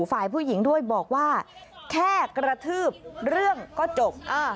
ฝ่ายผู้หญิงด้วยบอกว่าแค่กระทืบเรื่องก็จบ